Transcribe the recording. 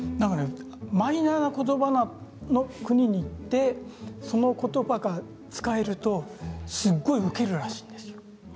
マイナーな言葉の国に行ってその言葉が使えるとすごいウケるらしいんです。